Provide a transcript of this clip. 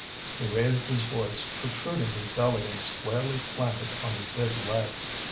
He raised his voice, protruding his belly and squarely planted on his big legs.